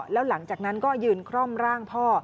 แล้วหลังจากนั้นก็ยืนคร่อมร่างพ่อ